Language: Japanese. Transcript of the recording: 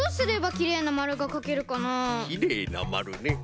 きれいなまるね。